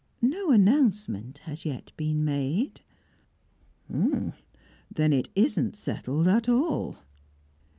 No announcement has yet been made." "H'm! Then it isn't settled at all."